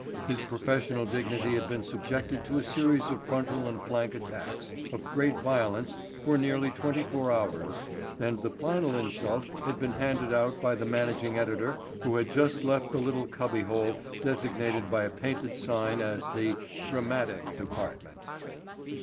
His professional dignity had been subjected to a series of frontal and flank attacks of great violence for nearly twenty four hours and the final insult had been handed out by the managing editor who had just left the little cubby hole designated by a painted sign as the "dramatic department."